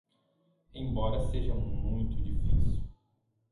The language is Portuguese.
Embora seja muito difícil